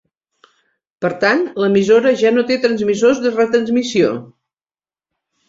Per tant, l'emissora ja no té transmissors de retransmissió.